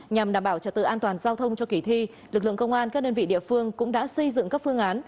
nhằm đảm bảo trật tự an toàn giao thông cho kỳ thi lực lượng công an các đơn vị địa phương cũng đã xây dựng các phương án